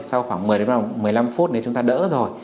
sau khoảng một mươi đến một mươi năm phút nếu chúng ta đỡ rồi